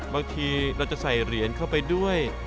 บางทีเราจะใส่เหรียญเข้าไปด้วย